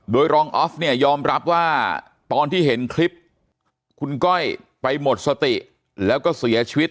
โดยรองออฟเนี่ยยอมรับว่าตอนที่เห็นคลิปคุณก้อยไปหมดสติแล้วก็เสียชีวิต